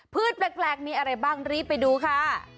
แปลกมีอะไรบ้างรีบไปดูค่ะ